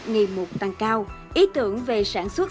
nghi mục tăng cao ý tưởng về sản xuất